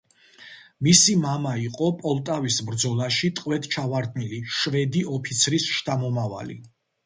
მისი მამა იყო პოლტავის ბრძოლაში ტყვედ ჩავარდნილი შვედი ოფიცრის შთამომავალი.